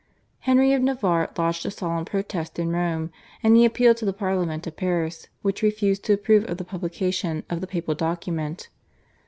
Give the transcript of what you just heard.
Henry of Navarre lodged a solemn protest in Rome, and he appealed to the Parliament of Paris, which refused to approve of the publication of the papal document.